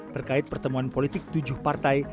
terkait pertemuan politik tujuh partai